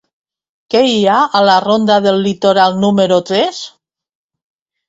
Què hi ha a la ronda del Litoral número tres?